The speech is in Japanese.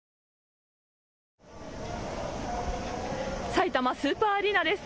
さいたまスーパーアリーナです。